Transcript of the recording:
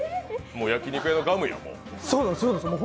焼き肉屋のガムよ、もう。